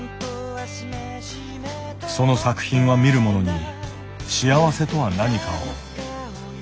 その作品は見る者に幸せとは何かを問いかける。